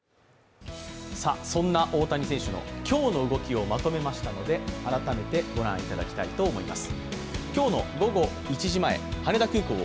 そんな大谷選手の今日の動きをまとめましたので、改めてご覧いただきたいと思います。